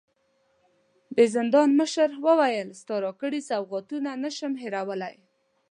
د زندان مشر وويل: ستا راکړي سوغاتونه نه شم هېرولی.